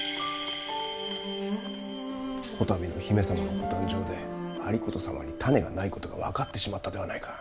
こたびの姫様のご誕生で有功様に胤がないことが分かってしまったではないか。